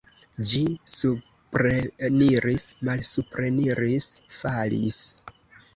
Ĝi supreniris, malsupreniris, falis.